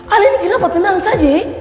alin kenapa tenang saja